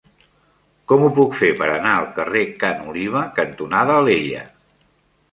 Com ho puc fer per anar al carrer Ca n'Oliva cantonada Alella?